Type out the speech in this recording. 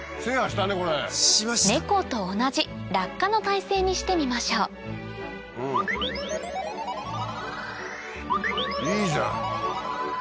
ネコと同じ落下の体勢にしてみましょういいじゃん！